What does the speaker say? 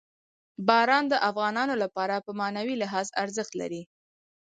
باران د افغانانو لپاره په معنوي لحاظ ارزښت لري.